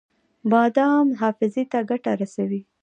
بادام حافظې ته څه ګټه رسوي؟